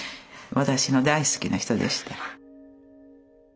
私の大好きな人でした。